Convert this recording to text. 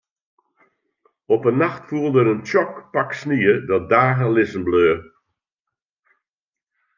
Op in nacht foel der in tsjok pak snie dat dagen lizzen bleau.